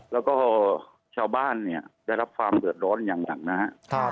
และก็ชาวบ้านเนี่ยได้รับความเศริษฐ์ร้อนอย่างหนังนะฮะ